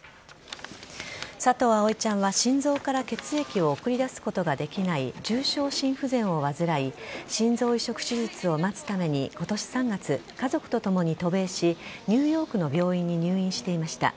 佐藤葵ちゃんは心臓から血液を送り出すことができない重症心不全を患い心臓移植手術を待つために今年３月、家族とともに渡米しニューヨークの病院に入院していました。